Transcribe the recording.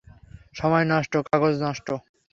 সময় নষ্ট, কাগজ নষ্ট!